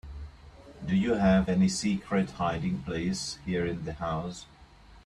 Do you have any secret hiding place here in the house?